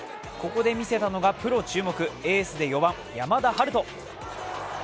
ここで見せたのがプロ注目、エースで４番・山田はると。